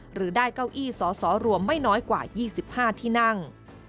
หรือได้เก้าอี้สอสอรวมไม่น้อยกว่า๒๕ที่นั่ง